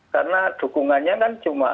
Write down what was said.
karena dukungannya kan cuma